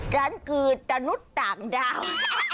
นั่นคือตนุสต่างดาว